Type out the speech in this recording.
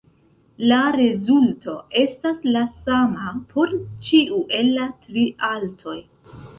La rezulto estas la sama por ĉiu el la tri altoj.